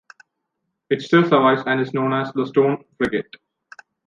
It still survives, and is known as the Stone Frigate.